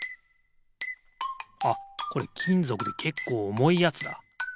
あっこれきんぞくでけっこうおもいやつだ。